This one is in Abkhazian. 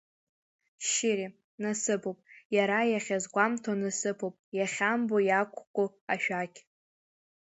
Шьыри, насыԥуп, иара иахьазгәамҭо, насыԥуп иахьамбо иақәку ашәақь.